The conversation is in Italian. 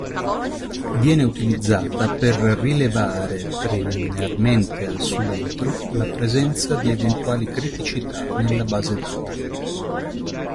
Viene utilizzata per rilevare, preliminarmente al subentro, la presenza di eventuali criticità nella base dati.